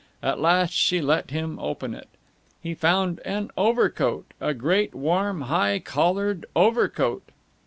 At last she let him open it. He found an overcoat, a great, warm, high collared overcoat.